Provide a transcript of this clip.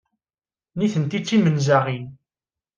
Nitenti d timenzaɣin.